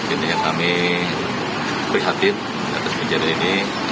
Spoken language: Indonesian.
ini yang kami prihatin atas penjara ini